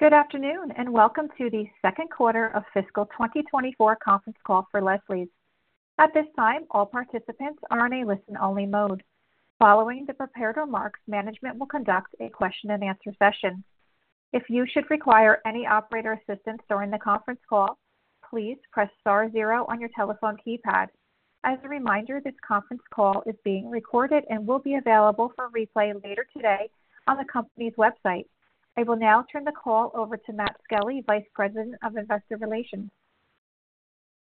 Good afternoon and welcome to the Q2 of Fiscal 2024 conference call for Leslie's. At this time, all participants are in a listen-only mode. Following the prepared remarks, management will conduct a question-and-answer session. If you should require any operator assistance during the conference call, please press star 0 on your telephone keypad. As a reminder, this conference call is being recorded and will be available for replay later today on the company's website. I will now turn the call over to Matt Skelly, Vice President of Investor Relations.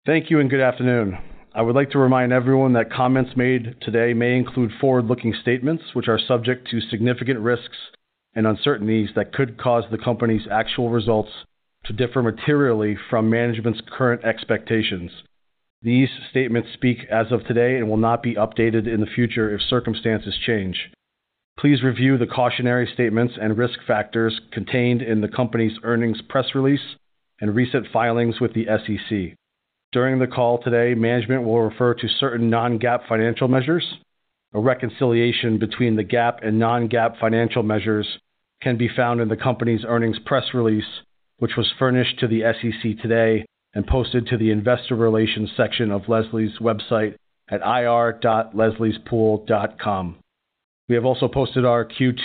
Thank you and good afternoon. I would like to remind everyone that comments made today may include forward-looking statements which are subject to significant risks and uncertainties that could cause the company's actual results to differ materially from management's current expectations. These statements speak as of today and will not be updated in the future if circumstances change. Please review the cautionary statements and risk factors contained in the company's earnings press release and recent filings with the SEC. During the call today, management will refer to certain non-GAAP financial measures. A reconciliation between the GAAP and non-GAAP financial measures can be found in the company's earnings press release, which was furnished to the SEC today and posted to the Investor Relations section of Leslie's website at ir.lesliespool.com. We have also posted our Q2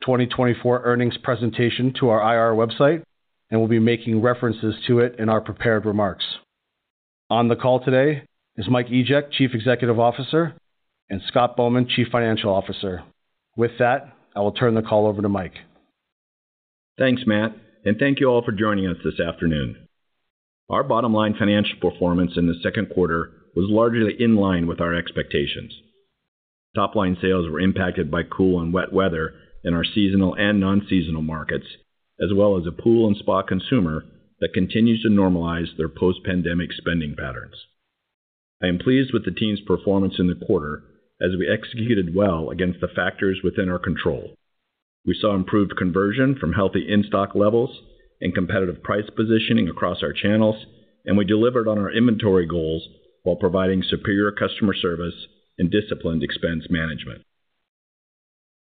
2024 earnings presentation to our IR website and will be making references to it in our prepared remarks. On the call today is Mike Egeck, Chief Executive Officer, and Scott Bowman, Chief Financial Officer. With that, I will turn the call over to Mike. Thanks, Matt, and thank you all for joining us this afternoon. Our bottom-line financial performance in the Q2 was largely in line with our expectations. Top-line sales were impacted by cool and wet weather in our seasonal and non-seasonal markets, as well as a pool and spa consumer that continues to normalize their post-pandemic spending patterns. I am pleased with the team's performance in the quarter as we executed well against the factors within our control. We saw improved conversion from healthy in-stock levels and competitive price positioning across our channels, and we delivered on our inventory goals while providing superior customer service and disciplined expense management.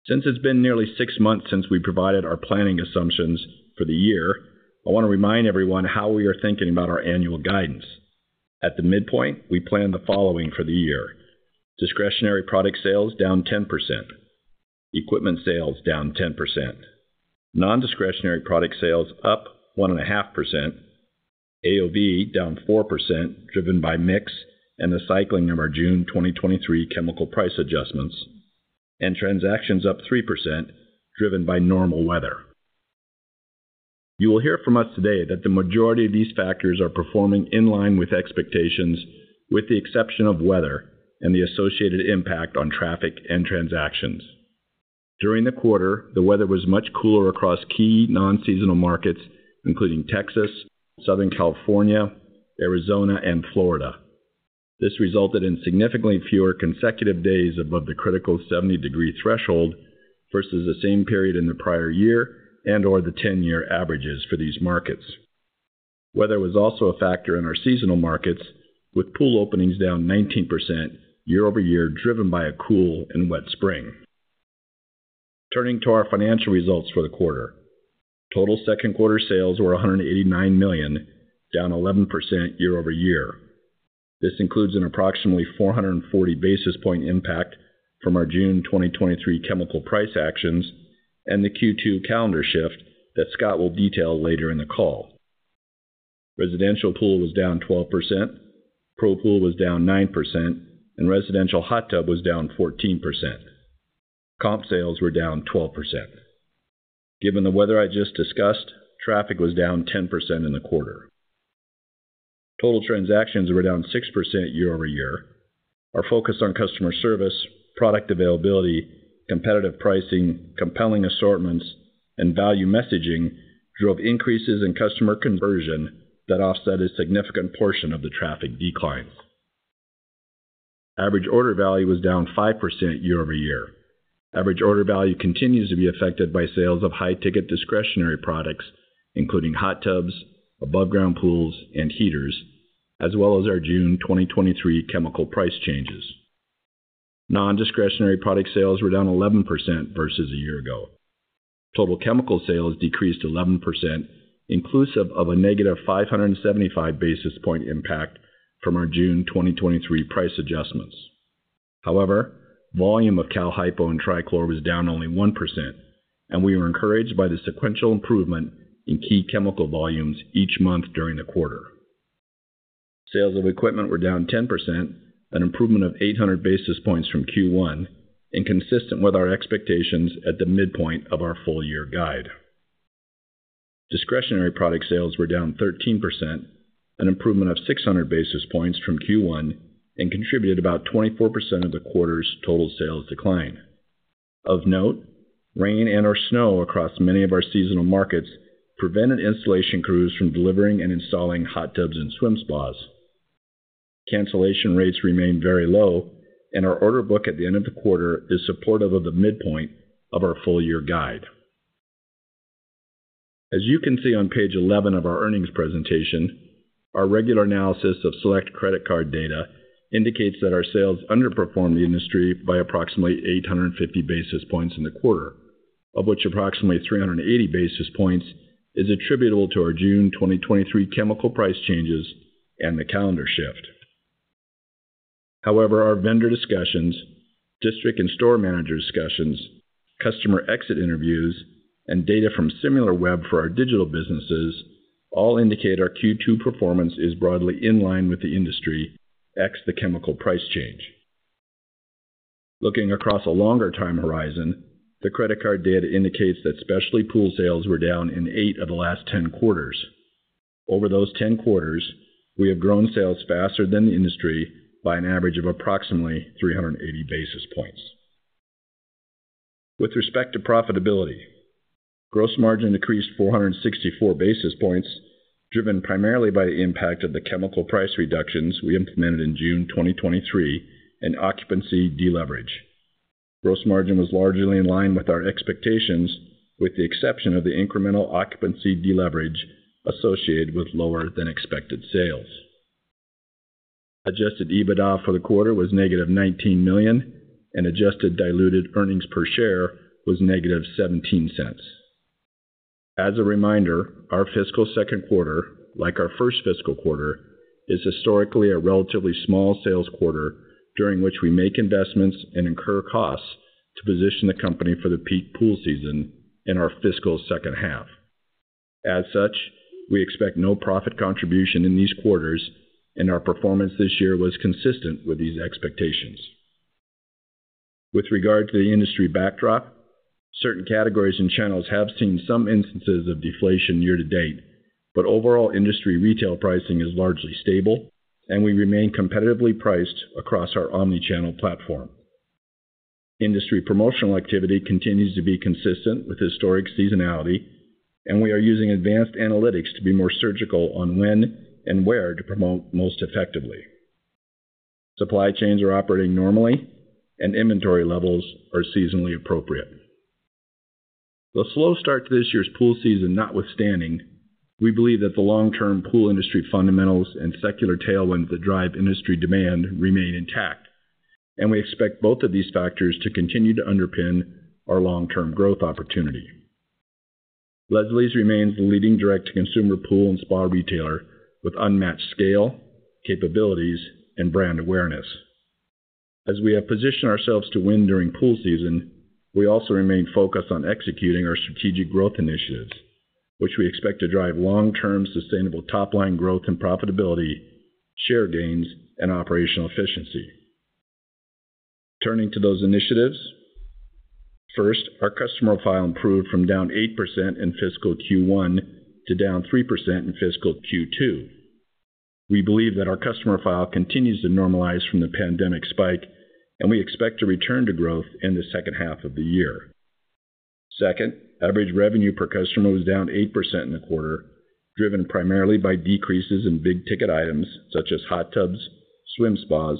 Since it's been nearly six months since we provided our planning assumptions for the year, I want to remind everyone how we are thinking about our annual guidance. At the mid-point, we plan the following for the year: discretionary product sales down 10%, equipment sales down 10%, non-discretionary product sales up 1.5%, AOV down 4% driven by mix and the cycling of our June 2023 chemical price adjustments, and transactions up 3% driven by normal weather. You will hear from us today that the majority of these factors are performing in line with expectations, with the exception of weather and the associated impact on traffic and transactions. During the quarter, the weather was much cooler across key non-seasonal markets, including Texas, Southern California, Arizona, and Florida. This resulted in significantly fewer consecutive days above the critical 70-degree threshold versus the same period in the prior year and/or the 10-year averages for these markets. Weather was also a factor in our seasonal markets, with pool openings down 19% year-over-year driven by a cool and wet spring. Turning to our financial results for the quarter. Total Q2 sales were $189 million, down 11% year-over-year. This includes an approximately 440 basis point impact from our June 2023 chemical price actions and the Q2 calendar shift that Scott will detail later in the call. Residential pool was down 12%, Pro pool was down 9%, and residential hot tub was down 14%. Comp sales were down 12%. Given the weather I just discussed, traffic was down 10% in the quarter. Total transactions were down 6% year-over-year. Our focus on customer service, product availability, competitive pricing, compelling assortments, and value messaging drove increases in customer conversion that offset a significant portion of the traffic declines. Average order value was down 5% year-over-year. Average order value continues to be affected by sales of high-ticket discretionary products, including hot tubs, above-ground pools, and heaters, as well as our June 2023 chemical price changes. Non-discretionary product sales were down 11% versus a year ago. Total chemical sales decreased 11%, inclusive of a negative 575 basis point impact from our June 2023 price adjustments. However, volume of Cal Hypo and Trichlor was down only 1%, and we were encouraged by the sequential improvement in key chemical volumes each month during the quarter. Sales of equipment were down 10%, an improvement of 800 basis points from Q1, and consistent with our expectations at the mid-point of our full-year guide. Discretionary product sales were down 13%, an improvement of 600 basis points from Q1, and contributed about 24% of the quarter's total sales decline. Of note, rain and/or snow across many of our seasonal markets prevented installation crews from delivering and installing hot tubs and swim spas. Cancellation rates remain very low, and our order book at the end of the quarter is supportive of the mid-point of our full-year guide. As you can see on page 11 of our earnings presentation, our regular analysis of select credit card data indicates that our sales underperformed the industry by approximately 850 basis points in the quarter, of which approximately 380 basis points is attributable to our June 2023 chemical price changes and the calendar shift. However, our vendor discussions, district and store manager discussions, customer exit interviews, and data from Similarweb for our digital businesses all indicate our Q2 performance is broadly in line with the industry ex the chemical price change. Looking across a longer time horizon, the credit card data indicates that specialty pool sales were down in eight of the last 10 quarters. Over those 10 quarters, we have grown sales faster than the industry by an average of approximately 380 basis points. With respect to profitability, gross margin decreased 464 basis points, driven primarily by the impact of the chemical price reductions we implemented in June 2023 and occupancy deleverage. Gross margin was largely in line with our expectations, with the exception of the incremental occupancy deleverage associated with lower-than-expected sales. Adjusted EBITDA for the quarter was negative $19 million, and adjusted diluted earnings per share was negative $0.17. As a reminder, our fiscal Q2, like our first fiscal quarter, is historically a relatively small sales quarter during which we make investments and incur costs to position the company for the peak pool season in our fiscal H2. As such, we expect no profit contribution in these quarters, and our performance this year was consistent with these expectations. With regard to the industry backdrop, certain categories and channels have seen some instances of deflation year to date, but overall industry retail pricing is largely stable, and we remain competitively priced across our omnichannel platform. Industry promotional activity continues to be consistent with historic seasonality, and we are using advanced analytics to be more surgical on when and where to promote most effectively. Supply chains are operating normally, and inventory levels are seasonally appropriate. Though slow start to this year's pool season notwithstanding, we believe that the long-term pool industry fundamentals and secular tailwinds that drive industry demand remain intact, and we expect both of these factors to continue to underpin our long-term growth opportunity. Leslie's remains the leading direct-to-consumer pool and spa retailer with unmatched scale, capabilities, and brand awareness. As we have positioned ourselves to win during pool season, we also remain focused on executing our strategic growth initiatives, which we expect to drive long-term sustainable top-line growth and profitability, share gains, and operational efficiency. Turning to those initiatives, first, our customer profile improved from down 8% in fiscal Q1 to down 3% in fiscal Q2. We believe that our customer profile continues to normalize from the pandemic spike, and we expect to return to growth in the H2 of the year. Second, average revenue per customer was down 8% in the quarter, driven primarily by decreases in big-ticket items such as hot tubs, swim spas,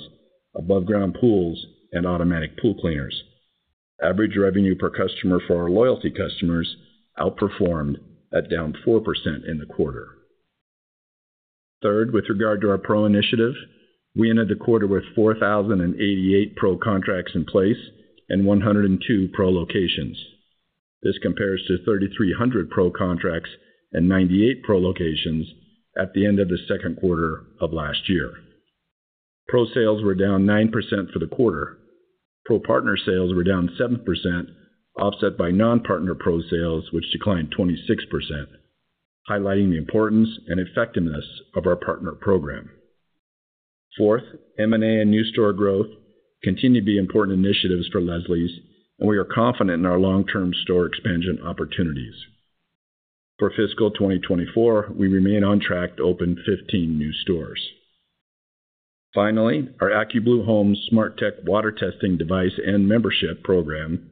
above-ground pools, and automatic pool cleaners. Average revenue per customer for our loyalty customers outperformed at down 4% in the quarter. Third, with regard to our pro initiative, we ended the quarter with 4,088 pro contracts in place and 102 pro locations. This compares to 3,300 pro contracts and 98 pro locations at the end of the Q2 of last year. Pro sales were down 9% for the quarter. Pro partner sales were down 7%, offset by non-partner pro sales, which declined 26%, highlighting the importance and effectiveness of our partner program. Fourth, M&A and new store growth continue to be important initiatives for Leslie's, and we are confident in our long-term store expansion opportunities. For fiscal 2024, we remain on track to open 15 new stores. Finally, our AccuBlue Home SmartTech Water Testing Device and Membership program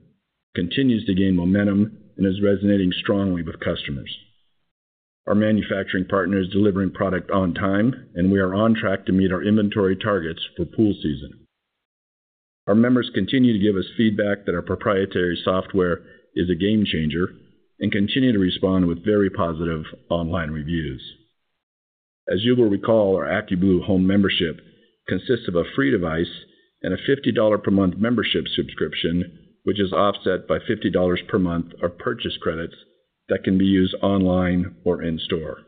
continues to gain momentum and is resonating strongly with customers. Our manufacturing partner is delivering product on time, and we are on track to meet our inventory targets for pool season. Our members continue to give us feedback that our proprietary software is a game changer and continue to respond with very positive online reviews. As you will recall, our AccuBlue Home membership consists of a free device and a $50 per month membership subscription, which is offset by $50 per month of purchase credits that can be used online or in-store.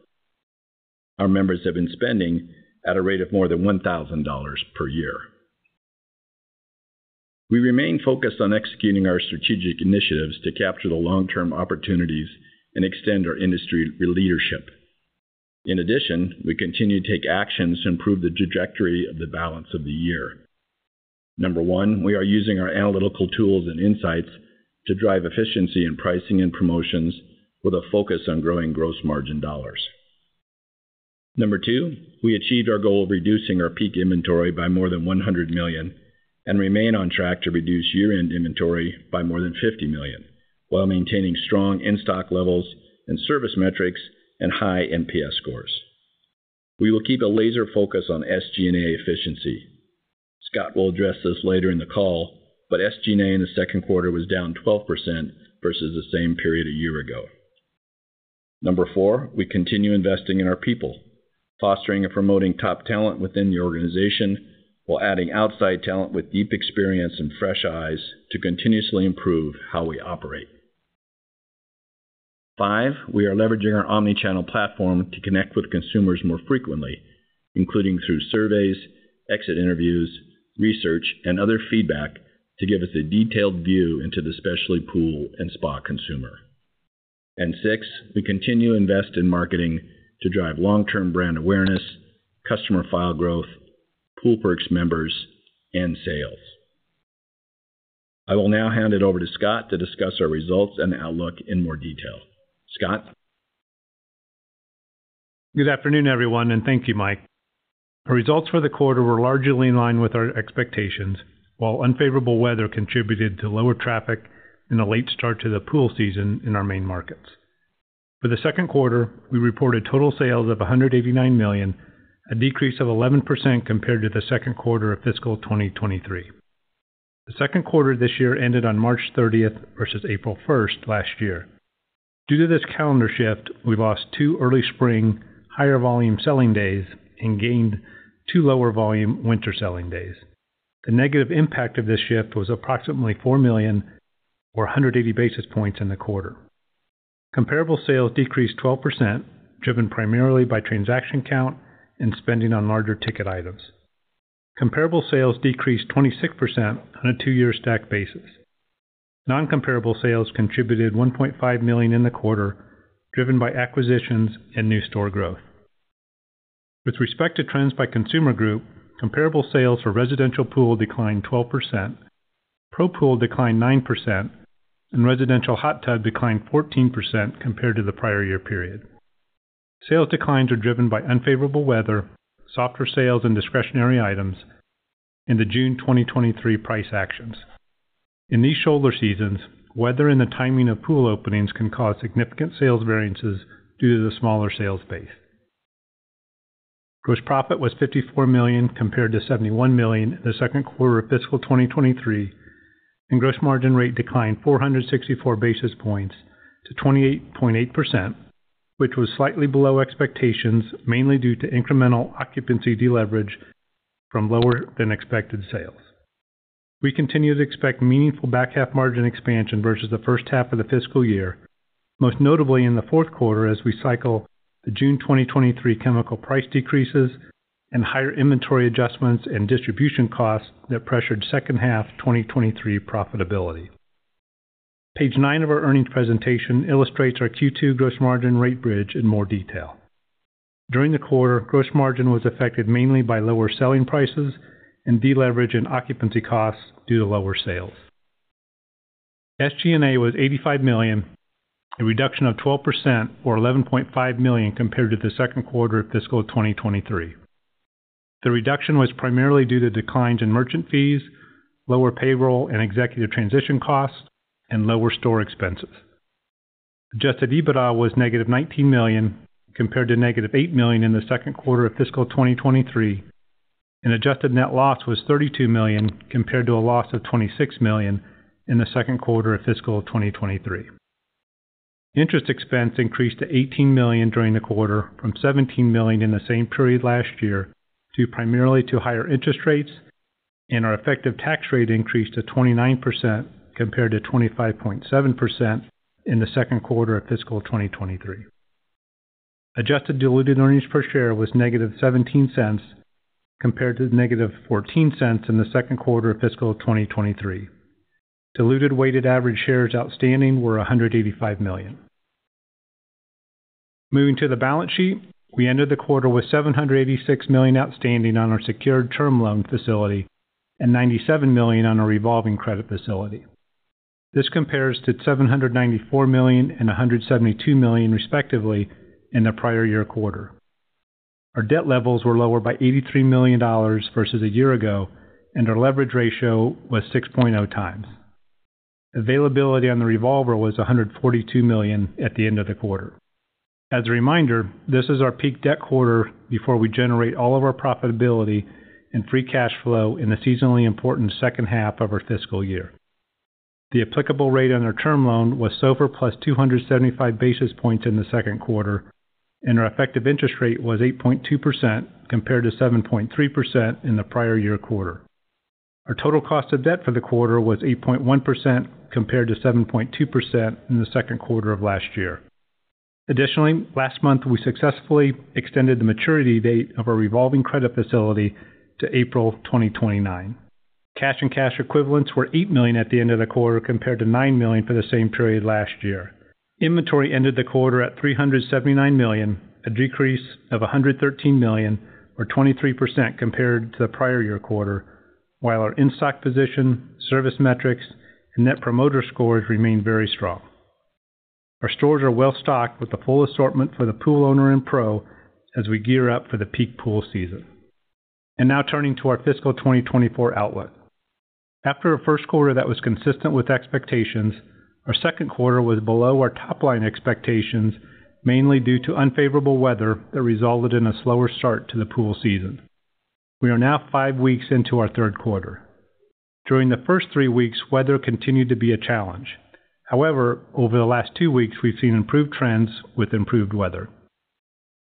Our members have been spending at a rate of more than $1,000 per year. We remain focused on executing our strategic initiatives to capture the long-term opportunities and extend our industry leadership. In addition, we continue to take actions to improve the trajectory of the balance of the year. Number one, we are using our analytical tools and insights to drive efficiency in pricing and promotions with a focus on growing gross margin dollars. Number two, we achieved our goal of reducing our peak inventory by more than $100 million and remain on track to reduce year-end inventory by more than $50 million while maintaining strong in-stock levels and service metrics and high NPS scores. We will keep a laser focus on SG&A efficiency. Scott will address this later in the call, but SG&A in the Q2 was down 12% versus the same period a year ago. Number four, we continue investing in our people, fostering and promoting top talent within the organization while adding outside talent with deep experience and fresh eyes to continuously improve how we operate. Five, we are leveraging our Omnichannel platform to connect with consumers more frequently, including through surveys, exit interviews, research, and other feedback to give us a detailed view into the specialty pool and spa consumer. And six, we continue to invest in marketing to drive long-term brand awareness, customer file growth, Pool Perks members, and sales. I will now hand it over to Scott to discuss our results and outlook in more detail. Scott? Good afternoon, everyone, and thank you, Mike. Our results for the quarter were largely in line with our expectations, while unfavorable weather contributed to lower traffic and a late start to the pool season in our main markets. For the Q2, we reported total sales of $189 million, a decrease of 11% compared to the Q2 of fiscal 2023. The Q2 this year ended on March 30th versus April 1st last year. Due to this calendar shift, we lost two early spring higher-volume selling days and gained two lower-volume winter selling days. The negative impact of this shift was approximately $4 million or 180 basis points in the quarter. Comparable sales decreased 12%, driven primarily by transaction count and spending on larger ticket items. Comparable sales decreased 26% on a two-year stack basis. Non-comparable sales contributed $1.5 million in the quarter, driven by acquisitions and new store growth. With respect to trends by consumer group, comparable sales for residential pool declined 12%, pro-pool declined 9%, and residential hot tub declined 14% compared to the prior year period. Sales declines are driven by unfavorable weather, softer sales in discretionary items, and the June 2023 price actions. In these shoulder seasons, weather and the timing of pool openings can cause significant sales variances due to the smaller sales base. Gross profit was $54 million compared to $71 million in the Q2 of fiscal 2023, and gross margin rate declined 464 basis points to 28.8%, which was slightly below expectations, mainly due to incremental occupancy deleverage from lower-than-expected sales. We continue to expect meaningful back half margin expansion versus the H2 of the fiscal year, most notably in the Q4 as we cycle the June 2023 chemical price decreases and higher inventory adjustments and distribution costs that pressured H2 2023 profitability. Page nine of our earnings presentation illustrates our Q2 gross margin rate bridge in more detail. During the quarter, gross margin was affected mainly by lower selling prices and deleverage and occupancy costs due to lower sales. SG&A was $85 million, a reduction of 12% or $11.5 million compared to the Q2 of fiscal 2023. The reduction was primarily due to declines in merchant fees, lower payroll and executive transition costs, and lower store expenses. Adjusted EBITDA was negative $19 million compared to negative $8 million in the Q2 of fiscal 2023, and adjusted net loss was $32 million compared to a loss of $26 million in the Q2 of fiscal 2023. Interest expense increased to $18 million during the quarter from $17 million in the same period last year primarily to higher interest rates, and our effective tax rate increased to 29% compared to 25.7% in the Q2 of fiscal 2023. Adjusted diluted earnings per share was -$0.17 compared to -$0.14 in the Q2 of fiscal 2023. Diluted weighted average shares outstanding were 185 million. Moving to the balance sheet, we ended the quarter with $786 million outstanding on our secured term loan facility and $97 million on our revolving credit facility. This compares to $794 million and $172 million, respectively, in the prior year quarter. Our debt levels were lower by $83 million versus a year ago, and our leverage ratio was 6.0 times. Availability on the revolver was $142 million at the end of the quarter. As a reminder, this is our peak debt quarter before we generate all of our profitability and free cash flow in the seasonally important H2 of our fiscal year. The applicable rate on our term loan was SOFR plus 275 basis points in the Q2, and our effective interest rate was 8.2% compared to 7.3% in the prior year quarter. Our total cost of debt for the quarter was 8.1% compared to 7.2% in the Q2 of last year. Additionally, last month, we successfully extended the maturity date of our revolving credit facility to April 2029. Cash and cash equivalents were $8 million at the end of the quarter compared to $9 million for the same period last year. Inventory ended the quarter at $379 million, a decrease of $113 million or 23% compared to the prior year quarter, while our in-stock position, service metrics, and net promoter scores remained very strong. Our stores are well stocked with the full assortment for the pool owner and pro as we gear up for the peak pool season. And now turning to our fiscal 2024 outlook. After a Q1 that was consistent with expectations, our Q2 was below our top-line expectations, mainly due to unfavorable weather that resulted in a slower start to the pool season. We are now five weeks into our Q3. During the first three weeks, weather continued to be a challenge. However, over the last two weeks, we've seen improved trends with improved weather.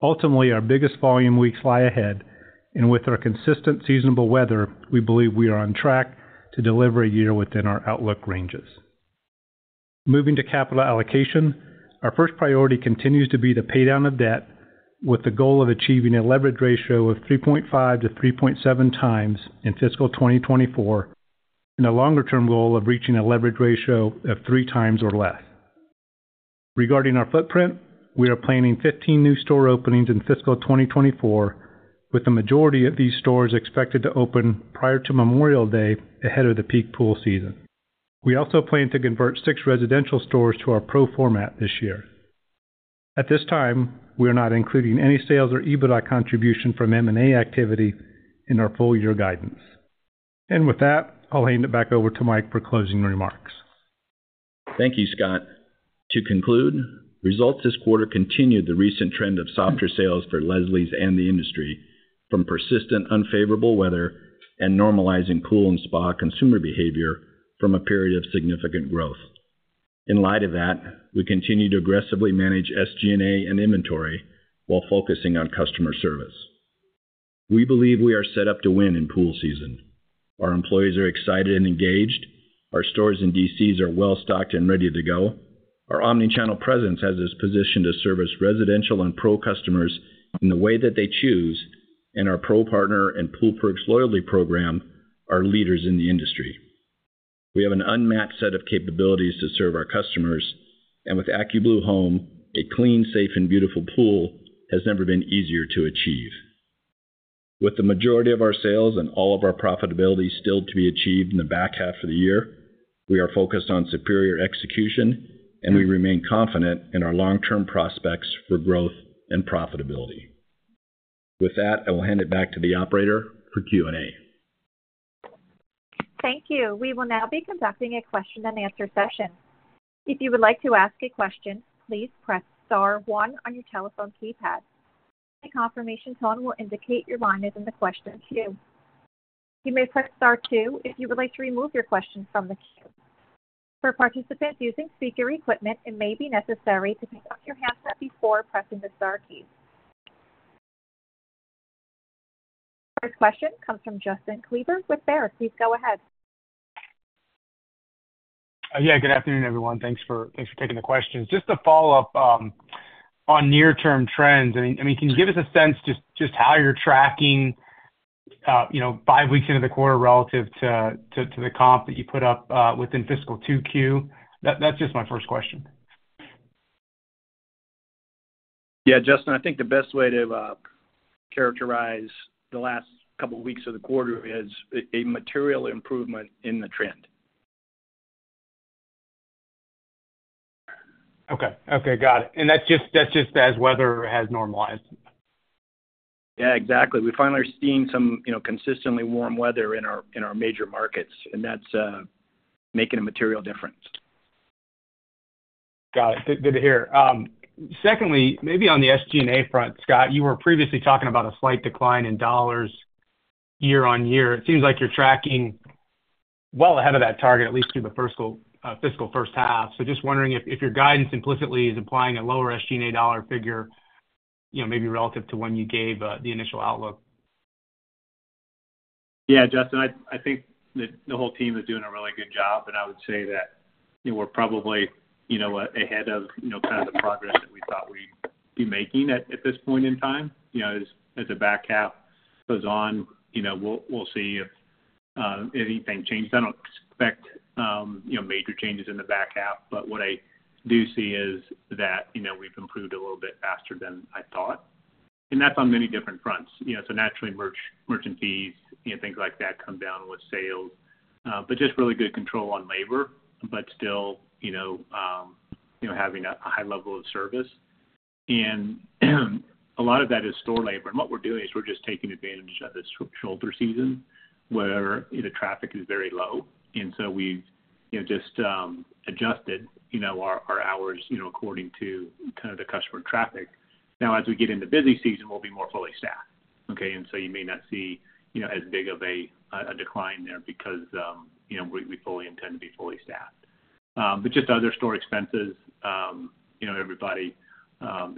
Ultimately, our biggest volume weeks lie ahead, and with our consistent seasonable weather, we believe we are on track to deliver a year within our outlook ranges. Moving to capital allocation, our first priority continues to be the pay-down of debt with the goal of achieving a leverage ratio of 3.5x to 3.7x in fiscal 2024 and a longer-term goal of reaching a leverage ratio of three time or less. Regarding our footprint, we are planning 15 new store openings in fiscal 2024, with the majority of these stores expected to open prior to Memorial Day ahead of the peak pool season. We also plan to convert six residential stores to our pro format this year. At this time, we are not including any sales or EBITDA contribution from M&A activity in our full year guidance. And with that, I'll hand it back over to Mike for closing remarks. Thank you, Scott. To conclude, results this quarter continued the recent trend of softer sales for Leslie's and the industry from persistent unfavorable weather and normalizing pool and spa consumer behavior from a period of significant growth. In light of that, we continue to aggressively manage SG&A and inventory while focusing on customer service. We believe we are set up to win in pool season. Our employees are excited and engaged. Our stores in DCs are well stocked and ready to go. Our Omnichannel presence has us positioned to service residential and pro customers in the way that they choose, and our Pro Partner and Pool Perks loyalty program are leaders in the industry. We have an unmatched set of capabilities to serve our customers, and with AccuBlue Home, a clean, safe, and beautiful pool has never been easier to achieve. With the majority of our sales and all of our profitability still to be achieved in the back half of the year, we are focused on superior execution, and we remain confident in our long-term prospects for growth and profitability. With that, I will hand it back to the operator for Q&A. Thank you. We will now be conducting a question-and-answer session. If you would like to ask a question, please press star one on your telephone keypad. The confirmation tone will indicate your line is in the question queue. You may press star two if you would like to remove your question from the queue. For participants using speaker equipment, it may be necessary to pick up your handset before pressing the star key. First question comes from Justin Kleber with Baird. Please go ahead. Yeah. Good afternoon, everyone. Thanks for taking the questions. Just to follow up on near-term trends, I mean, can you give us a sense just how you're tracking five weeks into the quarter relative to the comp that you put up within fiscal 2Q? That's just my first question. Yeah, Justin, I think the best way to characterize the last couple of weeks of the quarter is a material improvement in the trend. Okay. Okay. Got it. And that's just as weather has normalized? Yeah, exactly. We finally are seeing some consistently warm weather in our major markets, and that's making a material difference. Got it. Good to hear. Secondly, maybe on the SG&A front, Scott, you were previously talking about a slight decline in dollars year-over-year. It seems like you're tracking well ahead of that target, at least through the fiscal H2. So just wondering if your guidance implicitly is implying a lower SG&A dollar figure, maybe relative to when you gave the initial outlook. Yeah, Justin, I think that the whole team is doing a really good job, and I would say that we're probably ahead of kind of the progress that we thought we'd be making at this point in time. As the back half goes on, we'll see if anything changes. I don't expect major changes in the back half, but what I do see is that we've improved a little bit faster than I thought. That's on many different fronts. Naturally, merchant fees, things like that come down with sales, but just really good control on labor, but still having a high level of service. A lot of that is store labor. What we're doing is we're just taking advantage of this shoulder season where the traffic is very low, and so we've just adjusted our hours according to kind of the customer traffic. Now, as we get into busy season, we'll be more fully staffed, okay? You may not see as big of a decline there because we fully intend to be fully staffed. Just other store expenses, everybody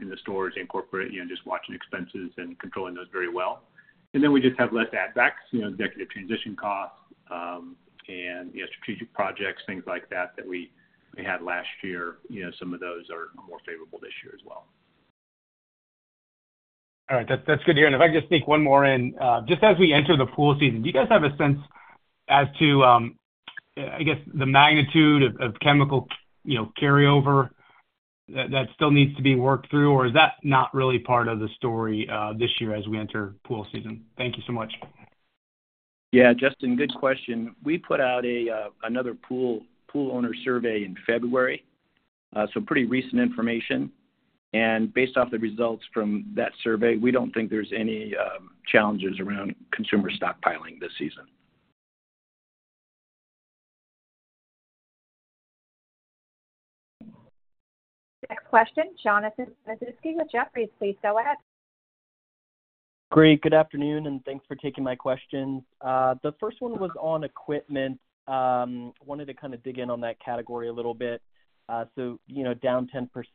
in the stores incorporate just watching expenses and controlling those very well. And then we just have less add-backs, executive transition costs, and strategic projects, things like that that we had last year. Some of those are more favorable this year as well. All right. That's good to hear. And if I can just sneak one more in, just as we enter the pool season, do you guys have a sense as to, I guess, the magnitude of chemical carryover that still needs to be worked through, or is that not really part of the story this year as we enter pool season? Thank you so much. Yeah, Justin, good question. We put out another pool owner survey in February, so pretty recent information. And based off the results from that survey, we don't think there's any challenges around consumer stockpiling this season. Next question, Jonathan Matuszewski with Jefferies, please go ahead. Great. Good afternoon, and thanks for taking my questions. The first one was on equipment. I wanted to kind of dig in on that category a little bit. So down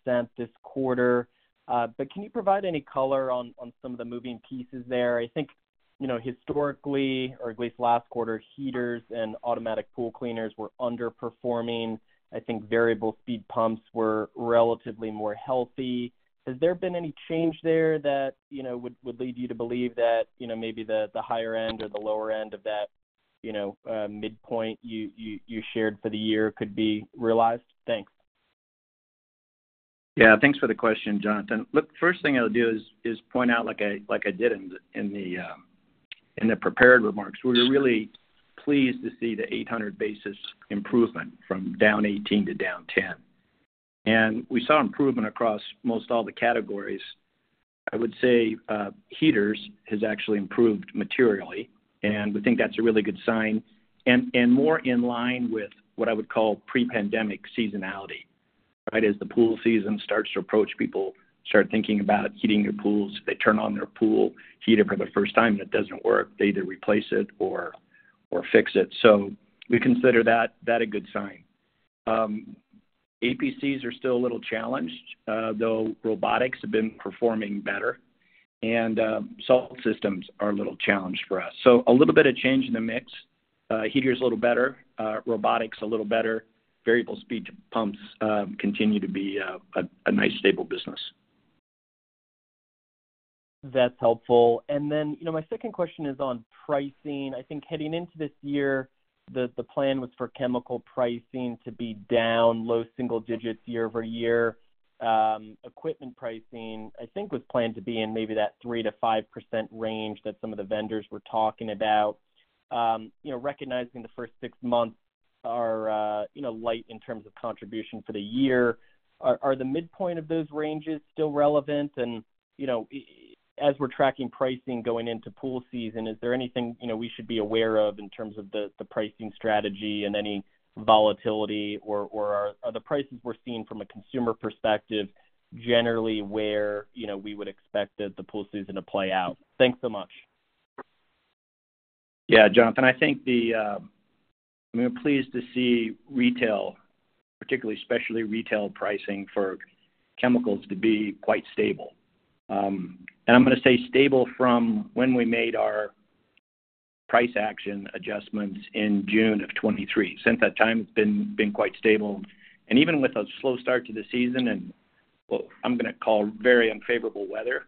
10% this quarter. But can you provide any color on some of the moving pieces there? I think historically, or at least last quarter, heaters and automatic pool cleaners were underperforming. I think variable speed pumps were relatively more healthy. Has there been any change there that would lead you to believe that maybe the higher end or the lower end of that mid-point you shared for the year could be realized? Thanks. Yeah. Thanks for the question, Jonathan. Look, the first thing I'll do is point out, like I did in the prepared remarks, we were really pleased to see the 800 basis points improvement from down 18% to down 10%. And we saw improvement across most all the categories. I would say heaters has actually improved materially, and we think that's a really good sign and more in line with what I would call pre-pandemic seasonality, right? As the pool season starts to approach, people start thinking about heating their pools. If they turn on their pool heater for the first time and it doesn't work, they either replace it or fix it. So we consider that a good sign. APCs are still a little challenged, though robotics have been performing better, and salt systems are a little challenged for us. So a little bit of change in the mix. Heaters a little better, robotics a little better, variable speed pumps continue to be a nice, stable business. That's helpful. And then my second question is on pricing. I think heading into this year, the plan was for chemical pricing to be down low single digits year-over-year. Equipment pricing, I think, was planned to be in maybe that 3%-5% range that some of the vendors were talking about. Recognizing the first six months are light in terms of contribution for the year, are the mid-point of those ranges still relevant? And as we're tracking pricing going into pool season, is there anything we should be aware of in terms of the pricing strategy and any volatility, or are the prices we're seeing from a consumer perspective generally where we would expect that the pool season to play out? Thanks so much. Yeah, Jonathan. I think, I mean, we're pleased to see retail, particularly specialty retail pricing for chemicals to be quite stable. And I'm going to say stable from when we made our price action adjustments in June of 2023. Since that time, it's been quite stable. Even with a slow start to the season and what I'm going to call very unfavorable weather,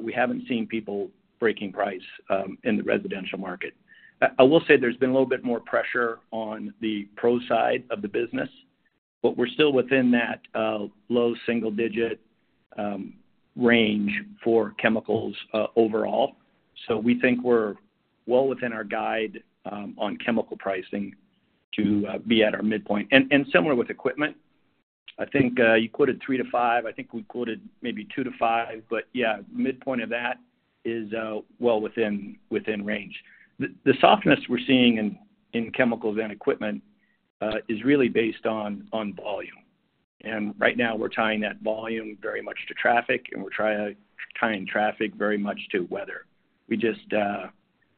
we haven't seen people breaking price in the residential market. I will say there's been a little bit more pressure on the pro side of the business, but we're still within that low single-digit range for chemicals overall. So we think we're well within our guide on chemical pricing to be at our mid-point. And similar with equipment, I think you quoted 3%-5%. I think we quoted maybe 2%-5%, but yeah, mid-point of that is well within range. The softness we're seeing in chemicals and equipment is really based on volume. And right now, we're tying that volume very much to traffic, and we're tying traffic very much to weather. We just,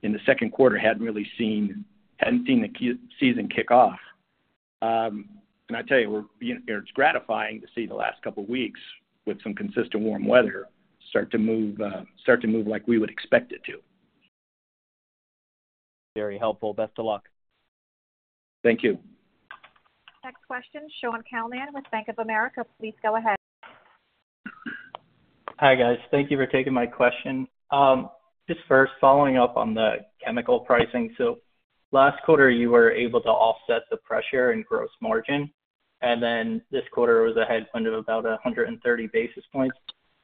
in the Q2, hadn't really seen the season kick off. I tell you, it's gratifying to see the last couple of weeks with some consistent warm weather start to move like we would expect it to. Very helpful. Best of luck. Thank you. Next question, Shaun Calnan with Bank of America. Please go ahead. Hi, guys. Thank you for taking my question. Just first, following up on the chemical pricing. So last quarter, you were able to offset the pressure and gross margin, and then this quarter was ahead of about 130 basis points.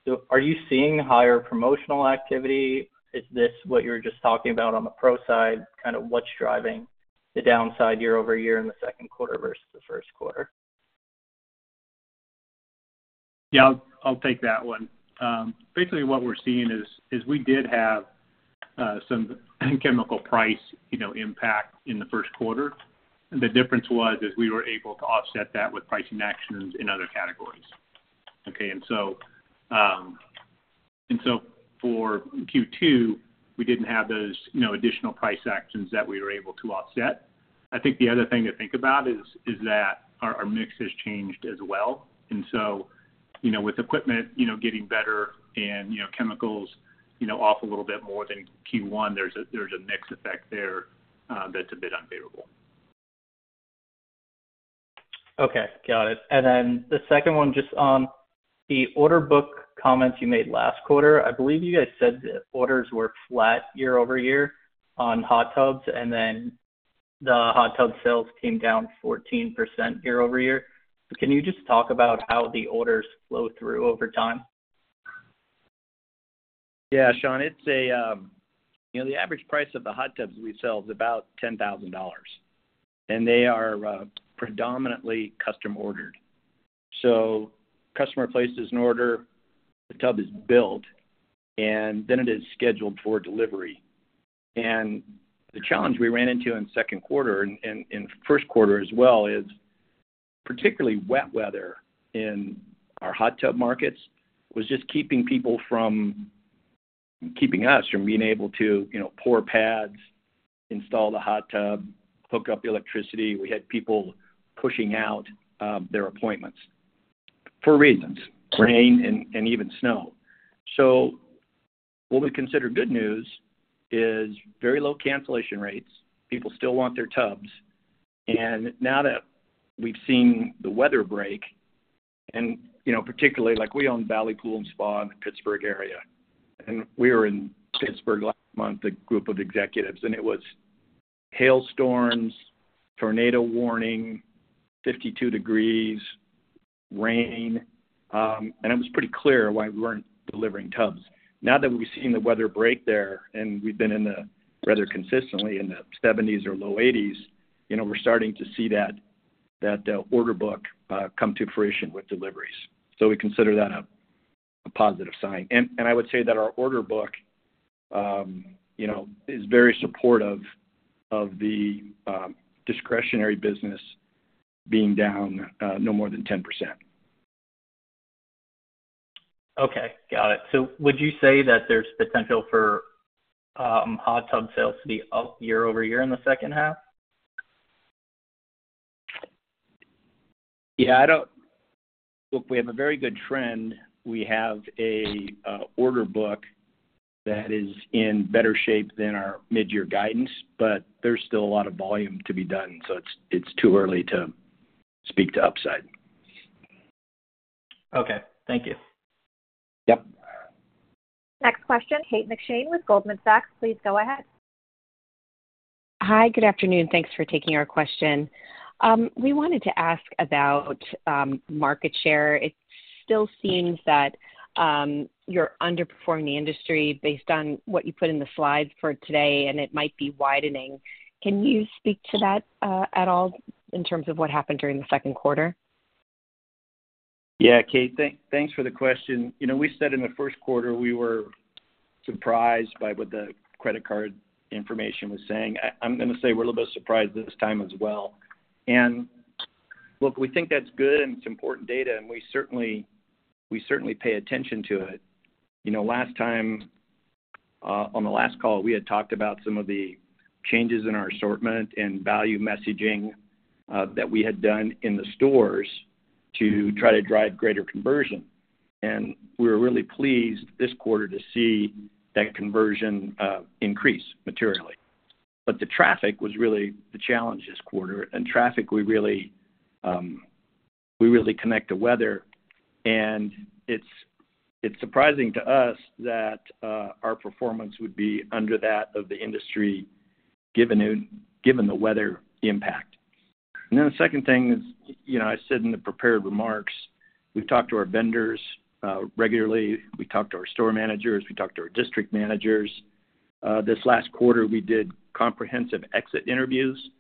So are you seeing higher promotional activity? Is this what you were just talking about on the pro side? Kind of what's driving the downside year-over-year in the Q2 versus the Q1? Yeah, I'll take that one. Basically, what we're seeing is we did have some chemical price impact in the Q1. The difference was we were able to offset that with pricing actions in other categories, okay? And so for Q2, we didn't have those additional price actions that we were able to offset. I think the other thing to think about is that our mix has changed as well. And so with equipment getting better and chemicals off a little bit more than Q1, there's a mix effect there that's a bit unfavorable. Okay. Got it. And then the second one, just on the order book comments you made last quarter, I believe you guys said that orders were flat year-over-year on hot tubs, and then the hot tub sales came down 14% year-over-year. Can you just talk about how the orders flow through over time? Yeah, Shaun, it's that the average price of the hot tubs we sell is about $10,000, and they are predominantly custom-ordered. So customer places an order, the tub is built, and then it is scheduled for delivery. And the challenge we ran into in Q2 and Q1 as well is particularly wet weather in our hot tub markets was just keeping us from being able to pour pads, install the hot tub, hook up electricity. We had people pushing out their appointments for reasons: rain and even snow. So what we consider good news is very low cancellation rates. People still want their tubs. And now that we've seen the weather break, and particularly we own Valley Pool & Spa in the Pittsburgh area, and we were in Pittsburgh last month, a group of executives, and it was hailstorms, tornado warning, 52 degrees, rain. It was pretty clear why we weren't delivering tubs. Now that we've seen the weather break there and we've been rather consistently in the 70s or low 80s, we're starting to see that order book come to fruition with deliveries. So we consider that a positive sign. And I would say that our order book is very supportive of the discretionary business being down no more than 10%. Okay. Got it. So would you say that there's potential for hot tub sales to be up year-over-year in the H2? Yeah. Look, we have a very good trend. We have an order book that is in better shape than our midyear guidance, but there's still a lot of volume to be done, so it's too early to speak to upside. Okay. Thank you. Yep. Next question, Kate McShane with Goldman Sachs. Please go ahead. Hi. Good afternoon. Thanks for taking our question. We wanted to ask about market share. It still seems that you're underperforming the industry based on what you put in the slides for today, and it might be widening. Can you speak to that at all in terms of what happened during the Q2? Yeah, Kate, thanks for the question. We said in the Q1, we were surprised by what the credit card information was saying. I'm going to say we're a little bit surprised this time as well. And look, we think that's good, and it's important data, and we certainly pay attention to it. Last time, on the last call, we had talked about some of the changes in our assortment and value messaging that we had done in the stores to try to drive greater conversion. We were really pleased this quarter to see that conversion increase materially. But the traffic was really the challenge this quarter. And traffic, we really connect to weather. And it's surprising to us that our performance would be under that of the industry given the weather impact. And then the second thing is I said in the prepared remarks, we've talked to our vendors regularly. We talked to our store managers. We talked to our district managers. This last quarter, we did comprehensive exit interviews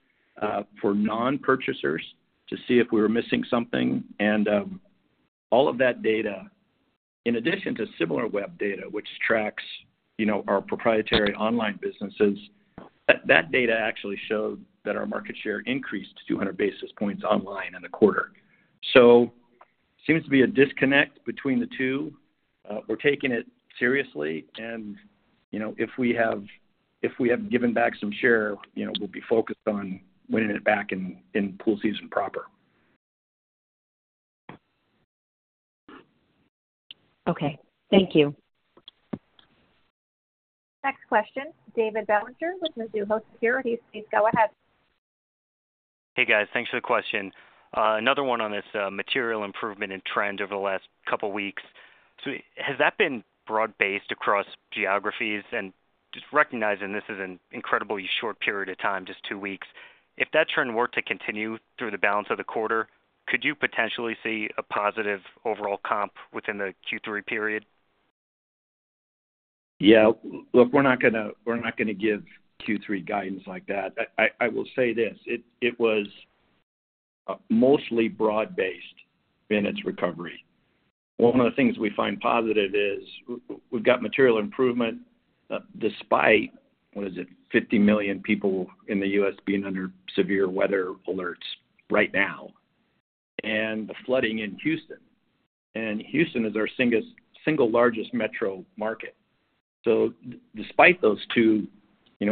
for non-purchasers to see if we were missing something. And all of that data, in addition to Similar-web data, which tracks our proprietary online businesses, that data actually showed that our market share increased 200 basis points online in the quarter. So it seems to be a disconnect between the two. We're taking it seriously, and if we have given back some share, we'll be focused on winning it back in pool season proper. Okay. Thank you. Next question, David Bellinger with Mizuho Securities. Please go ahead. Hey, guys. Thanks for the question. Another one on this material improvement and trend over the last couple of weeks. So has that been broad-based across geographies? And just recognizing this is an incredibly short period of time, just two weeks, if that trend were to continue through the balance of the quarter, could you potentially see a positive overall comp within the Q3 period? Yeah. Look, we're not going to give Q3 guidance like that. I will say this. It was mostly broad-based in its recovery. One of the things we find positive is we've got material improvement despite - what is it? 50 million people in the U.S. being under severe weather alerts right now and the flooding in Houston. Houston is our single largest metro market. So despite those two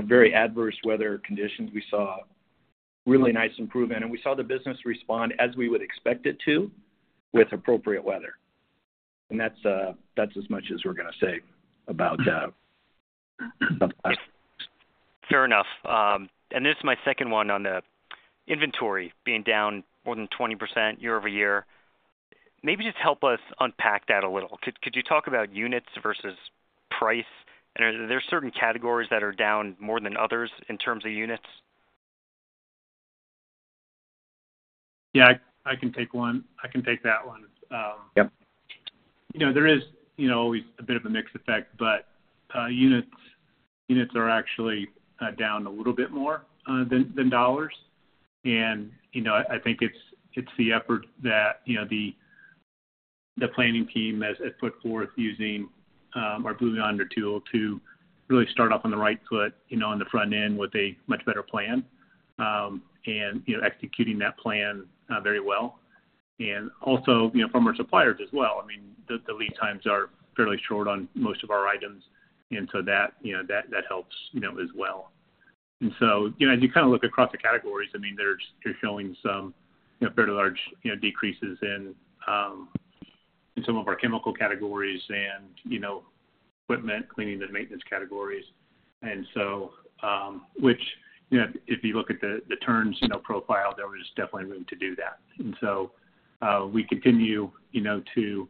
very adverse weather conditions, we saw really nice improvement, and we saw the business respond as we would expect it to with appropriate weather. And that's as much as we're going to say about that. Fair enough. And this is my second one on the inventory being down more than 20% year-over-year. Maybe just help us unpack that a little. Could you talk about units versus price? And are there certain categories that are down more than others in terms of units? Yeah, I can take one. I can take that one. There is always a bit of a mixed effect, but units are actually down a little bit more than dollars. I think it's the effort that the planning team has put forth using our Blue Yonder tool to really start off on the right foot on the front end with a much better plan and executing that plan very well. And also from our suppliers as well. I mean, the lead times are fairly short on most of our items, and so that helps as well. And so as you kind of look across the categories, I mean, you're showing some fairly large decreases in some of our chemical categories and equipment, cleaning and maintenance categories, which if you look at the turns profile, there was definitely room to do that. And so we continue to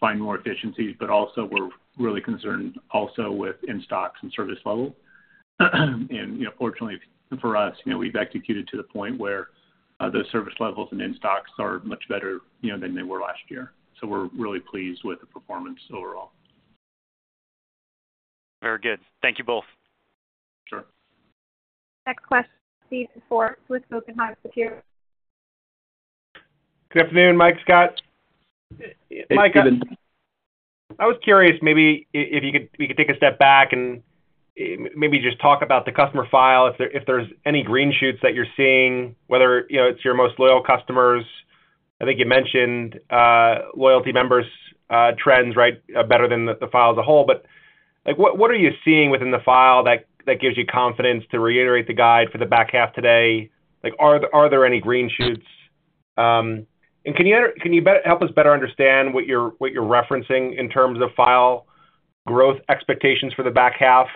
find more efficiencies, but also we're really concerned also with in-stocks and service level. Fortunately for us, we've executed to the point where those service levels and in-stocks are much better than they were last year. So we're really pleased with the performance overall. Very good. Thank you both. Sure. Next question, Steven Forbes with Guggenheim Securities. Good afternoon, Mike and Scott. Mike, I was curious maybe if we could take a step back and maybe just talk about the customer file, if there's any green shoots that you're seeing, whether it's your most loyal customers. I think you mentioned loyalty members' trends, right, better than the file as a whole. But what are you seeing within the file that gives you confidence to reiterate the guide for the back half today? Are there any green shoots? Can you help us better understand what you're referencing in terms of file growth expectations for the back half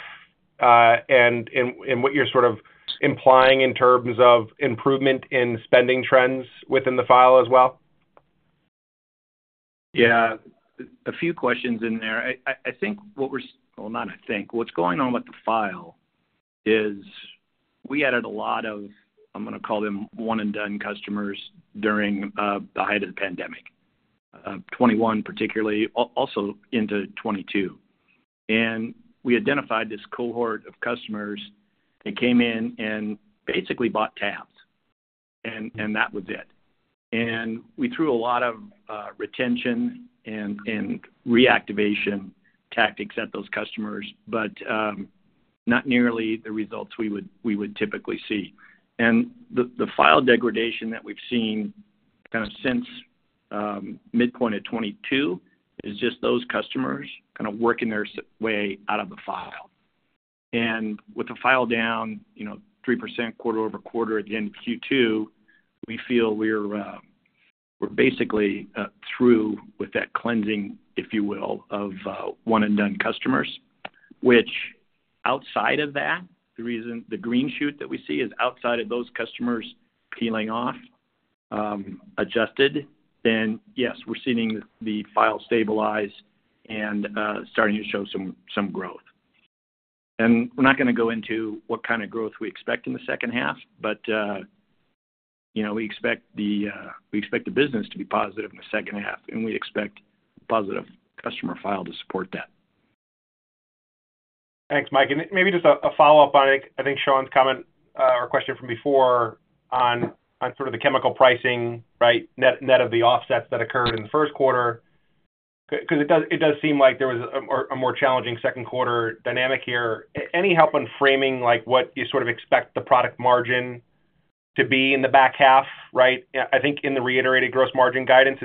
and what you're sort of implying in terms of improvement in spending trends within the file as well? Yeah. A few questions in there. I think what we're well, not I think. What's going on with the file is we added a lot of - I'm going to call them - one-and-done customers during the height of the pandemic, 2021 particularly, also into 2022. And we identified this cohort of customers that came in and basically bought tabs, and that was it. And we threw a lot of retention and reactivation tactics at those customers, but not nearly the results we would typically see. And the file degradation that we've seen kind of since mid-point of 2022 is just those customers kind of working their way out of the file. And with the file down 3% quarter-over-quarter at the end of Q2, we feel we're basically through with that cleansing, if you will, of one-and-done customers. Which outside of that, the green shoot that we see is outside of those customers peeling off, adjusted, then yes, we're seeing the file stabilize and starting to show some growth. And we're not going to go into what kind of growth we expect in the H2, but we expect the business to be positive in the H2, and we expect positive customer file to support that. Thanks, Mike. And maybe just a follow-up on, I think, Shaun's comment or question from before on sort of the chemical pricing, right, net of the offsets that occurred in the Q1. Because it does seem like there was a more challenging Q2 dynamic here. Any help in framing what you sort of expect the product margin to be in the back half, right? I think in the reiterated gross margin guidance,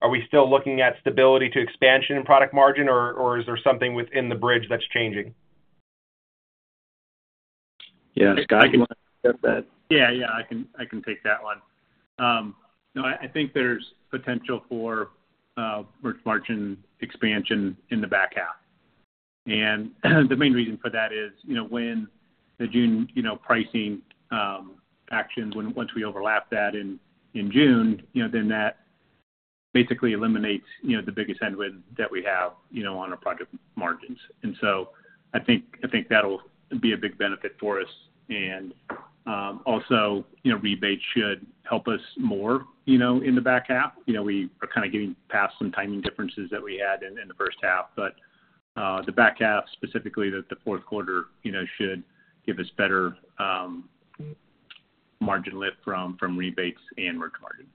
are we still looking at stability to expansion in product margin, or is there something within the bridge that's changing? Yeah, Scott, I can look at that. Yeah, yeah. I can take that one. No, I think there's potential for margin expansion in the back half. And the main reason for that is when the June pricing action once we overlap that in June, then that basically eliminates the biggest headwind that we have on our product margins. And so I think that'll be a big benefit for us. And also, rebates should help us more in the back half. We are kind of getting past some timing differences that we had in the H2. But the back half specifically, the Q4, should give us better margin lift from rebates and merch margin.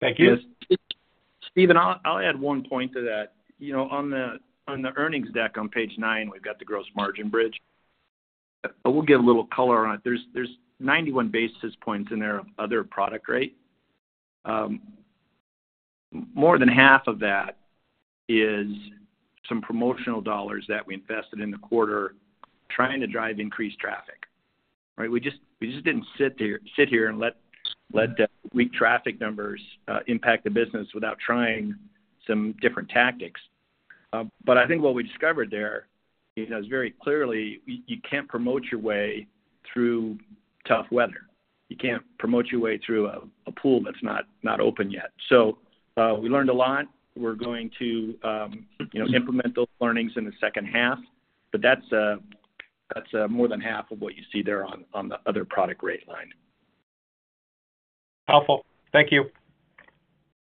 Thank you. Yes. Steven, I'll add one point to that. On the earnings deck on page nine, we've got the gross margin bridge. But we'll give a little color on it. There's 91 basis points in there of other product rate. More than half of that is some promotional dollars that we invested in the quarter trying to drive increased traffic, right? We just didn't sit here and let weak traffic numbers impact the business without trying some different tactics. But I think what we discovered there is very clearly, you can't promote your way through tough weather. You can't promote your way through a pool that's not open yet. So we learned a lot. We're going to implement those learnings in the H2, but that's more than half of what you see there on the other product rate line. Helpful. Thank you.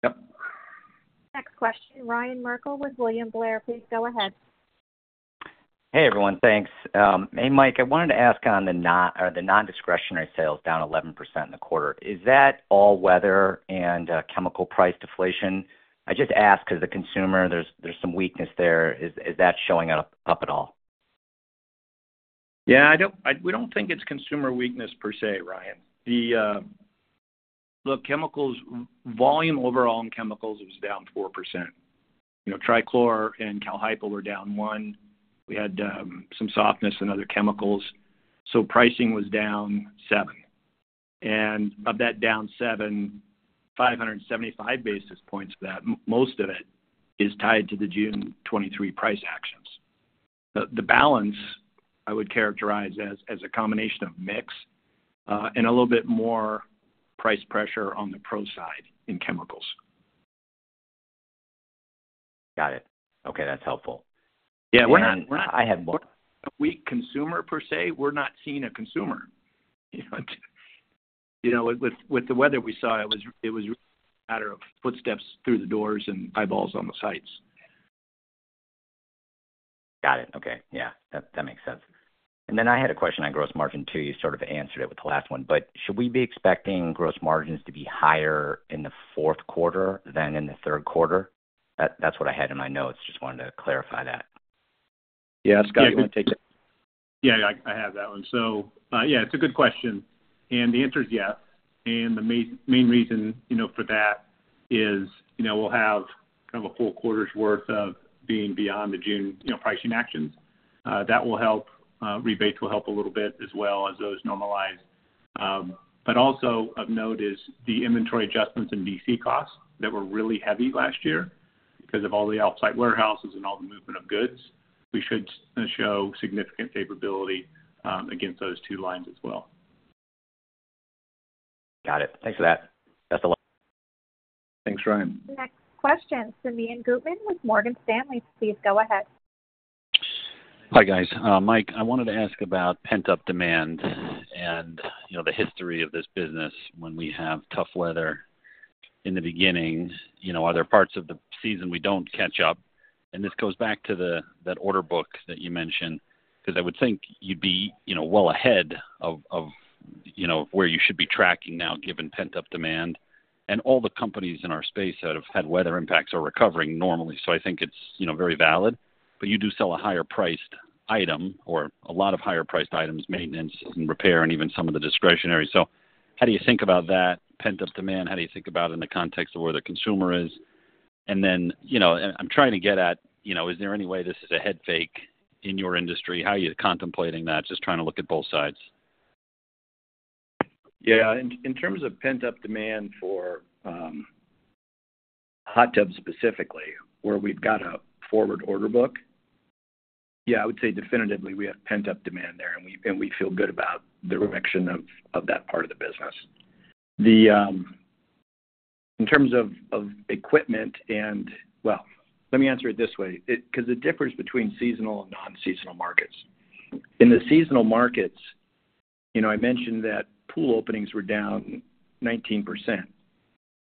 Yep. Next question, Ryan Merkel with William Blair. Please go ahead. Hey, everyone. Thanks. Hey, Mike. I wanted to ask on the non-discretionary sales down 11% in the quarter. Is that all weather and chemical price deflation? I just ask because the consumer, there's some weakness there. Is that showing up at all? Yeah. We don't think it's consumer weakness per say, Ryan. Look, volume overall in chemicals was down 4%. Trichlor and Cal Hypo were down 1%. We had some softness in other chemicals. So pricing was down 7%. And of that down 7%, 575 basis points of that, most of it is tied to the June 2023 price actions. The balance, I would characterize as a combination of mix and a little bit more price pressure on the pro side in chemicals. Got it. Okay. That's helpful. Yeah. We're not seeing weak consumer per say, we're not seeing a weak consumer. With the weather we saw, it was really a matter of footsteps through the doors and eyeballs on the sites. Got it. Okay. Yeah. That makes sense. And then I had a question on gross margin too. You sort of answered it with the last one. But should we be expecting gross margins to be higher in the Q4 than in the Q3? That's what I had in my notes. Just wanted to clarify that. Yeah, Scott. You want to take that? Yeah. I have that one. So yeah, it's a good question. And the answer is yes. The main reason for that is we'll have kind of a full quarter's worth of being beyond the June pricing actions. That will help. Rebates will help a little bit as well as those normalized. But also of note is the inventory adjustments in DC costs that were really heavy last year because of all the off-site warehouses and all the movement of goods, we should show significant favorability against those two lines as well. Got it. Thanks for that. That's a lot. Thanks, Ryan. Next question, Simeon Gutman with Morgan Stanley. Please go ahead. Hi, guys. Mike, I wanted to ask about pent-up demand and the history of this business when we have tough weather in the beginning. Are there parts of the season we don't catch up? This goes back to that order book that you mentioned because I would think you'd be well ahead of where you should be tracking now given pent-up demand. All the companies in our space that have had weather impacts are recovering normally, so I think it's very valid. But you do sell a higher-priced item or a lot of higher-priced items, maintenance and repair, and even some of the discretionary. How do you think about that pent-up demand? How do you think about it in the context of where the consumer is? Then I'm trying to get at, is there any way this is a head-fake in your industry? How are you contemplating that? Just trying to look at both sides. Yeah. In terms of pent-up demand for hot tubs specifically, where we've got a forward order book, yeah, I would say definitively we have pent-up demand there, and we feel good about the reduction of that part of the business. In terms of equipment and well, let me answer it this way because it differs between seasonal and non-seasonal markets. In the seasonal markets, I mentioned that pool openings were down 19%.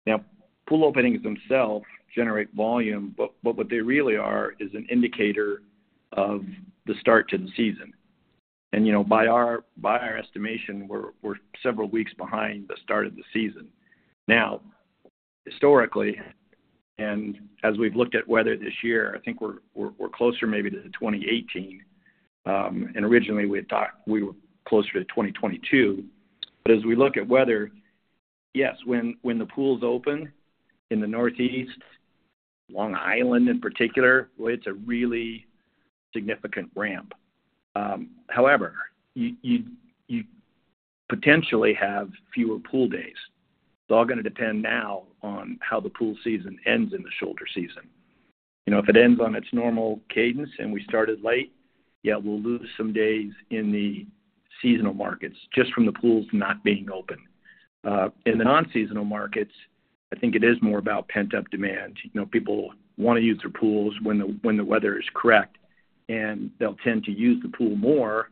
Now, pool openings themselves generate volume, but what they really are is an indicator of the start to the season. And by our estimation, we're several weeks behind the start of the season. Now, historically, and as we've looked at weather this year, I think we're closer maybe to 2018. And originally, we were closer to 2022. But as we look at weather, yes, when the pools open in the Northeast, Long Island in particular, it's a really significant ramp. However, you potentially have fewer pool days. It's all going to depend now on how the pool season ends in the shoulder season. If it ends on its normal cadence and we started late, yeah, we'll lose some days in the seasonal markets just from the pools not being open. In the non-seasonal markets, I think it is more about pent-up demand. People want to use their pools when the weather is correct, and they'll tend to use the pool more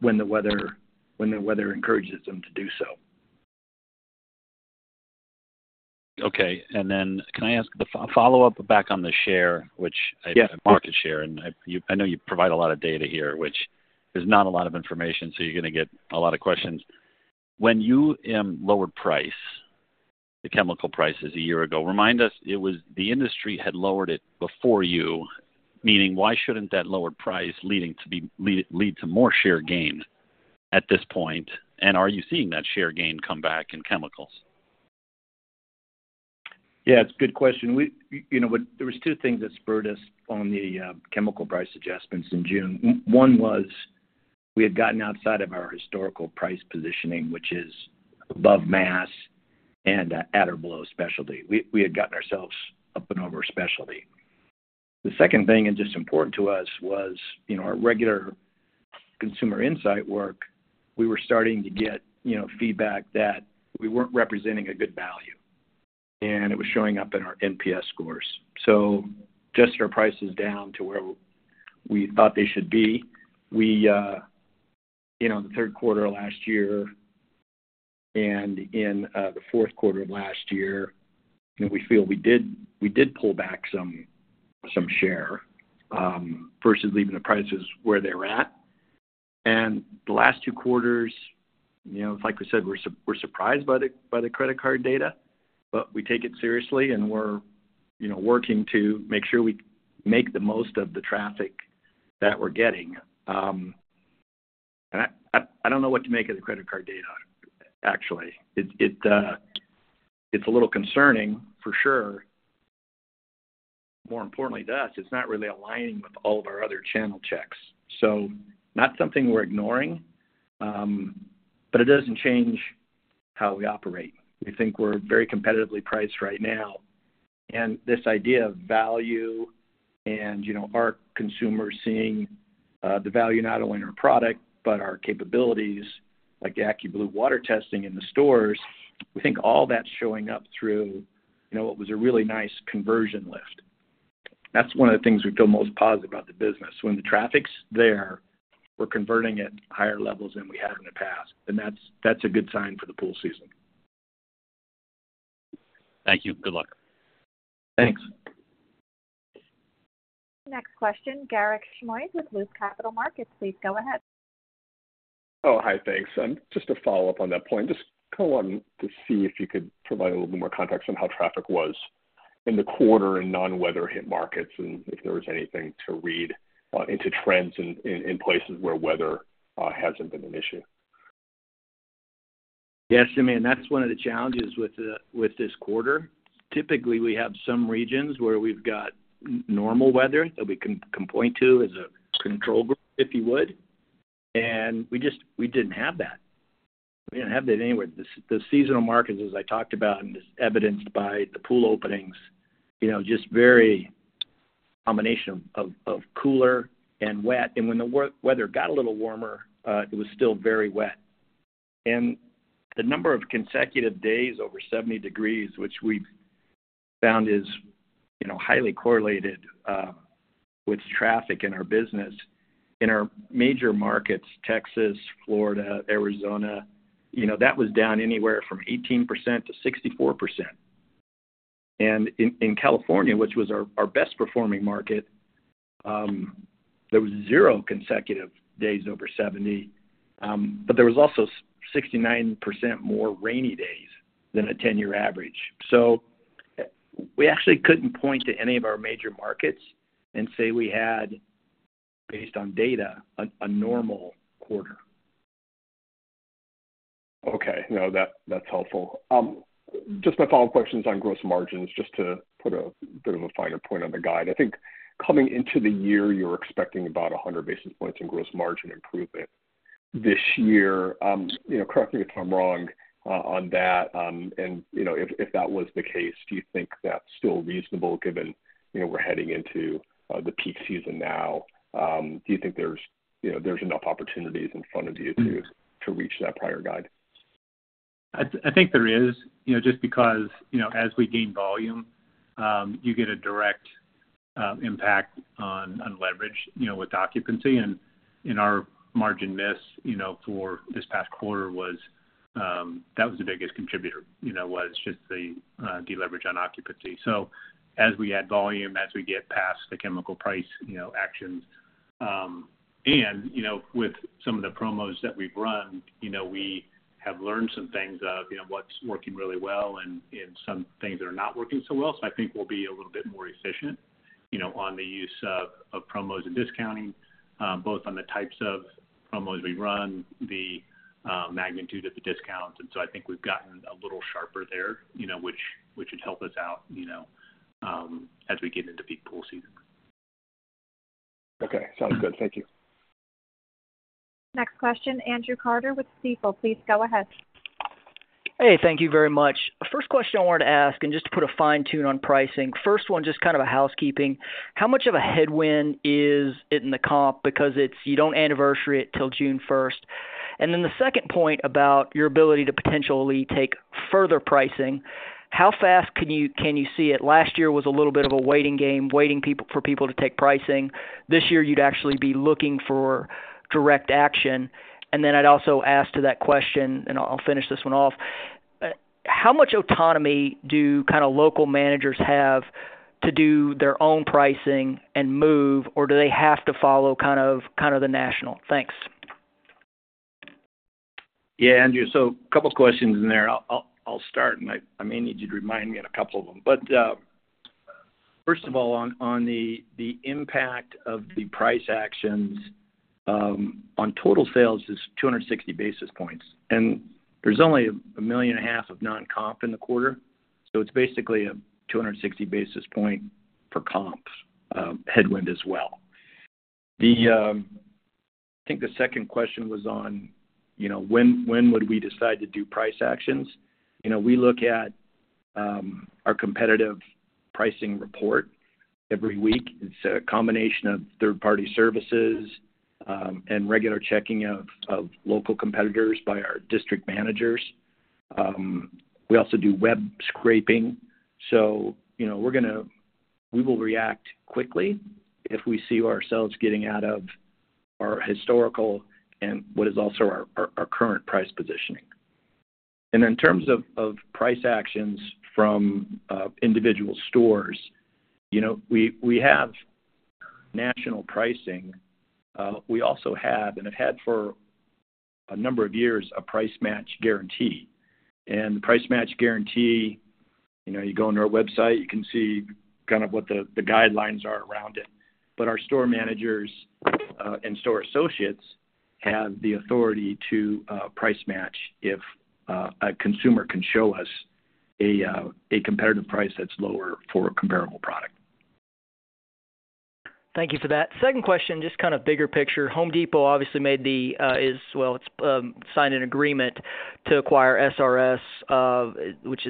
when the weather encourages them to do so. Okay. And then can I ask a follow-up back on the share, which is market share, and I know you provide a lot of data here, which is a lot of information, so you're going to get a lot of questions. When you lowered the chemical prices a year ago, remind us, it was the industry that had lowered it before you, meaning why shouldn't that lowered price lead to more share gain at this point? And are you seeing that share gain come back in chemicals? Yeah. It's a good question. There were two things that spurred us on the chemical price adjustments in June. One was we had gotten outside of our historical price positioning, which is above mass and at or below specialty. The second thing, and equally important to us, was our regular consumer insight work. We were starting to get feedback that we weren't representing a good value, and it was showing up in our NPS scores. So just our prices down to where we thought they should be. In the Q3 of last year and in the Q4 of last year, we feel we did pull back some share versus leaving the prices where they were at. And the last two quarters, like we said, we're surprised by the credit card data, but we take it seriously, and we're working to make sure we make the most of the traffic that we're getting. And I don't know what to make of the credit card data, actually. It's a little concerning, for sure. More importantly to us, it's not really aligning with all of our other channel checks. So not something we're ignoring, but it doesn't change how we operate. We think we're very competitively priced right now. And this idea of value and our consumers seeing the value not only in our product but our capabilities like the AccuBlue water testing in the stores, we think all that's showing up through what was a really nice conversion lift. That's one of the things we feel most positive about the business. When the traffic's there, we're converting at higher levels than we have in the past. And that's a good time for the pool season. Thank you. Good luck. Thanks. Next question, Garik Shmois with Loop Capital Markets. Please go ahead. Oh, hi. Thanks. Just a follow-up on that point. Just kind of wanted to see if you could provide a little bit more context on how traffic was in the quarter in non-weather hit markets and if there was anything to read into trends in places where weather hasn't been an issue? Yes, Shmois. That's one of the challenges with this quarter. Typically, we have some regions where we've got normal weather that we can point to as a control group, if you would. We didn't have that. We didn't have that anywhere. The seasonal markets, as I talked about and is evidenced by the pool openings, just very combination of cooler and wet. When the weather got a little warmer, it was still very wet. The number of consecutive days over 70 degrees, which we've found is highly correlated with traffic in our business, in our major markets, Texas, Florida, Arizona, that was down anywhere from 18%-64%. And in California, which was our best-performing market, there was zero consecutive days over 70. But there was also 69% more rainy days than a 10-year average. So we actually couldn't point to any of our major markets and say we had, based on data, a normal quarter. Okay. No, that's helpful. Just my follow-up questions on gross margins, just to put a bit of a finer point on the guide. I think coming into the year, you were expecting about 100 basis points in gross margin improvement this year. Correct me if I'm wrong on that. And if that was the case, do you think that's still reasonable given we're heading into the peak season now? Do you think there's enough opportunities in front of you to reach that prior guide? I think there is just because as we gain volume, you get a direct impact on leverage with occupancy. And in our margin miss for this past quarter, that was the biggest contributor, just the deleverage on occupancy. So as we add volume, as we get past the chemical price actions and with some of the promos that we've run, we have learned some things of what's working really well and some things that are not working so well. So I think we'll be a little bit more efficient on the use of promos and discounting, both on the types of promos we run, the magnitude of the discounts. And so I think we've gotten a little sharper there, which would help us out as we get into peak pool season. Okay. Sounds good. Thank you. Next question, Andrew Carter with Stifel. Please go ahead. Hey. Thank you very much. First question I wanted to ask, and just to put a fine point on pricing, first one, just kind of a housekeeping. How much of a headwind is it in the comp because you don't anniversary it till June 1st? And then the second point about your ability to potentially take further pricing, how fast can you see it? Last year was a little bit of a waiting game, waiting for people to take pricing. This year, you'd actually be looking for direct action. And then I'd also ask to that question, and I'll finish this one off. How much autonomy do kind of local managers have to do their own pricing and move, or do they have to follow kind of the national? Thanks. Yeah, Andrew. So a couple of questions in there. I'll start, and I may need you to remind me on a couple of them. But first of all, on the impact of the price actions, on total sales, it's 260 basis points. And there's only $1.5 million of non-comp in the quarter. So it's basically a 260 basis point per comp headwind as well. I think the second question was on when would we decide to do price actions. We look at our competitive pricing report every week. It's a combination of third-party services and regular checking of local competitors by our district managers. We also do web scraping. So we're going to react quickly if we see ourselves getting out of our historical and what is also our current price positioning. And then in terms of price actions from individual stores, we have national pricing. We also have, and have had for a number of years, a price match guarantee. And the price match guarantee, you go on our website, you can see kind of what the guidelines are around it. But our store managers and store associates have the authority to price match if a consumer can show us a competitive price that's lower for a comparable product. Thank you for that. Second question, just kind of bigger picture. Home Depot obviously made the well, it's signed an agreement to acquire SRS, which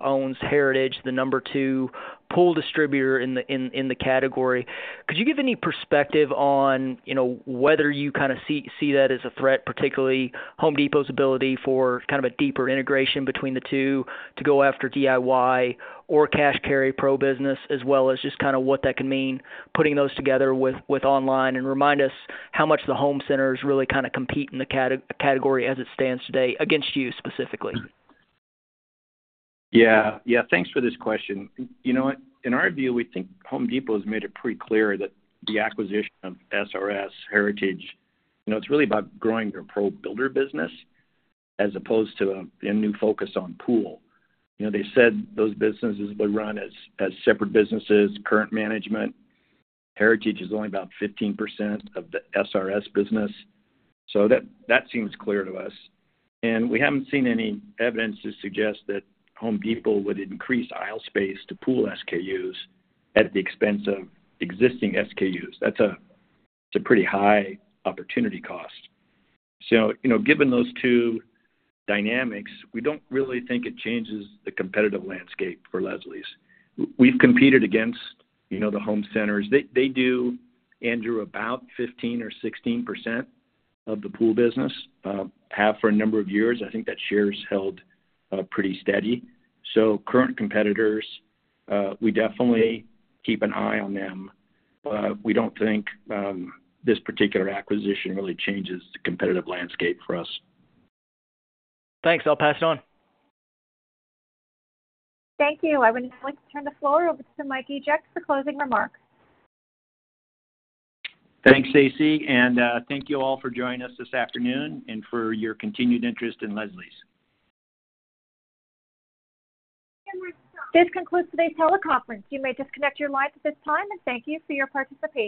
owns Heritage, the number two pool distributor in the category. Could you give any perspective on whether you kind of see that as a threat, particularly Home Depot's ability for kind of a deeper integration between the two to go after DIY or cash carry pro business, as well as just kind of what that can mean putting those together with online? And remind us how much the home centers really kind of compete in the category as it stands today against you specifically. Yeah. Yeah. Thanks for this question. You know what? In our view, we think Home Depot has made it pretty clear that the acquisition of SRS, Heritage, it's really about growing their pro builder business as opposed to a new focus on pool. They said those businesses would run as separate businesses, current management. Heritage is only about 15% of the SRS business. So that seems clear to us. We haven't seen any evidence to suggest that Home Depot would increase aisle space to pool SKUs at the expense of existing SKUs. That's a pretty high opportunity cost. Given those two dynamics, we don't really think it changes the competitive landscape for Leslie's. We've competed against the home centers. They do, Andrew, about 15% or 16% of the pool business, have for a number of years. I think that share's held pretty steady. Current competitors, we definitely keep an eye on them. But we don't think this particular acquisition really changes the competitive landscape for us. Thanks. I'll pass it on. Thank you. I would now like to turn the floor over to Mike Egeck for closing remarks. Thanks, Stacey. And thank you all for joining us this afternoon and for your continued interest in Leslie's. This concludes today's teleconference. You may disconnect your lines at this time. Thank you for your participation.